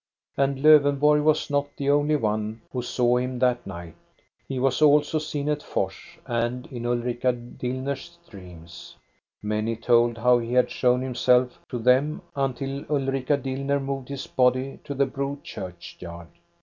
And Lowenborg was not the only one who saw him that night. He was also seen at Fors and in Ulrika Dinner's dreams. Many told how he had shown himself to them, until Ulrika Dillner moved his body to the Bro churchyard.